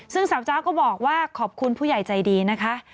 ซึ่งสาวจ๊ะก็บอกว่าขอบคุณผู้ใหญ่ใจดีนะคะ